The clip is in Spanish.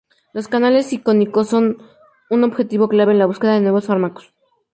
Los canales iónicos son un objetivo clave en la búsqueda de nuevos fármacos.